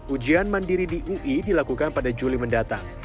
ujian mandiri di ui dilakukan pada juli mendatang